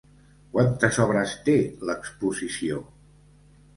Quantes obres té l'exposició?